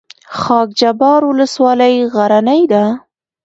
خاک جبار ولسوالۍ غرنۍ ده؟